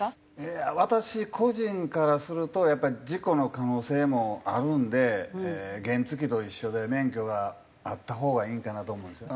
いや私個人からするとやっぱり事故の可能性もあるんで原付と一緒で免許があったほうがいいんかなと思うんですよ。